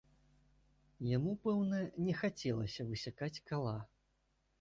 Яму, пэўна, не хацелася высякаць кала.